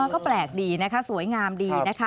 ก็แปลกดีสวยงามดี